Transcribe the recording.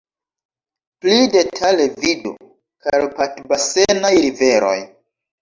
Pli detale vidu: Karpat-basenaj riveroj.